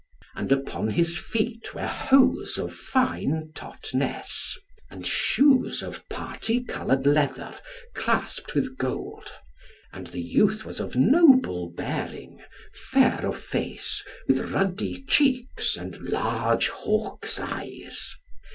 And upon his feet were hose of fine Totness, and shoes of parti coloured leather, clasped with gold, and the youth was of noble bearing, fair of face, with ruddy cheeks and large hawk's eyes.